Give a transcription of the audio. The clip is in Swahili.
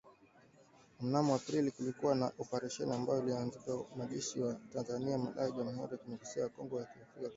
Mnamo aprili kulikuwa na operesheni ambayo iliiyoongozwa na wanajeshi wa Tanzania, Malawi, Jamuhuri ya kidemokrasia ya Kongo na Afrika kusini